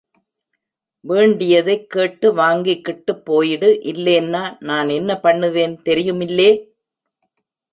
வேண்டியதைக் கேட்டு வாங்கிக்கிட்டுப் போயிடு இல்லேன்னா நான் என்ன பண்ணுவேன் தெரியுமில்லே?